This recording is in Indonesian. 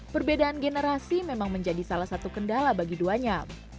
perbedaan generasi memang menjadi salah satu kendala bagi duanya